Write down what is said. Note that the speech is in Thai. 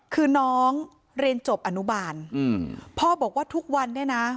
คือน้องเรียนจบอนุบาลอืมพ่อบอกว่าทุกวันเนี่ยนะ